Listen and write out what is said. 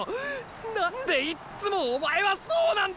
何でいっつもお前はそうなんだよ！